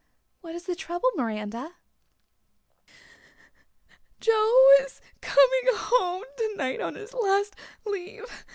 "What is the trouble, Miranda?" "Joe is coming home tonight on his last leave.